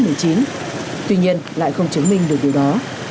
tuy nhiên lại không chứng minh được điều đó